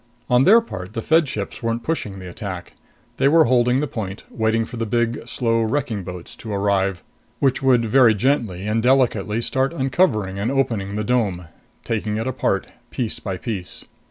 On their part, the Fed ships weren't pushing the attack. They were holding the point, waiting for the big, slow wrecking boats to arrive, which would very gently and delicately start uncovering and opening the dome, taking it apart, piece by piece.